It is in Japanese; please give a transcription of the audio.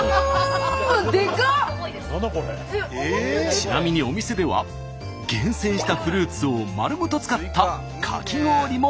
ちなみにお店では厳選したフルーツを丸ごと使ったかき氷も楽しめます。